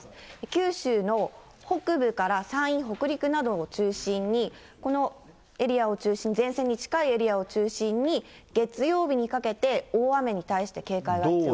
九州の北部から山陰、北陸などを中心に、このエリアを中心に、前線に近いエリアを中心に、月曜日にかけて大雨に対して警戒が必要です。